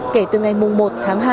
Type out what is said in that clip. kể từ ngày một tháng hai